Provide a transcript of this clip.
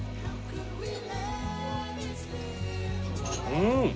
うん！